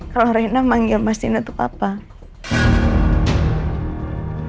kalau rina manggil mas dino itu keapanya